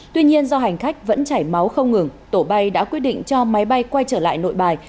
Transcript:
tuy nhiên do hành khách vẫn chảy máu không ngừng tổ bay đã quyết định cho máy bay quay trở lại nội bài